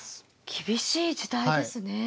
厳しい時代ですね。